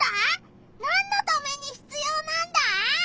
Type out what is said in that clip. なんのためにひつようなんだ？